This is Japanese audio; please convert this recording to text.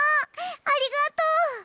ありがとう。